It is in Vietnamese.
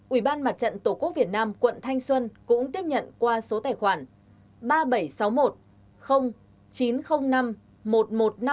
ủy ban mặt trận tổ quốc việt nam quận thanh xuân cũng tiếp nhận qua số tài khoản